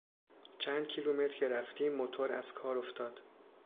چند کیلومتر که رفتیم موتور از کار افتاد.